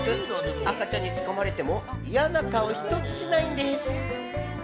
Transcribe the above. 赤ちゃんにつかまれても嫌な顔一つしないんです。